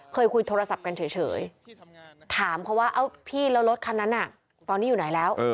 คุยโทรศัพท์กันเฉยถามเขาว่าพี่แล้วรถคันนั้นน่ะตอนนี้อยู่ไหนแล้ว